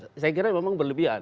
saya kira memang berlebihan